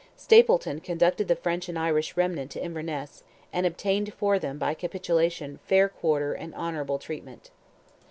Stapleton conducted the French and Irish remnant to Inverness, and obtained for them by capitulation "fair quarter and honourable treatment."